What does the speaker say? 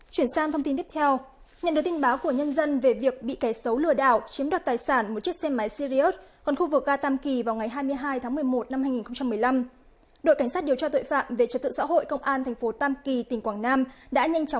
chuyển sang thông tin tiếp theo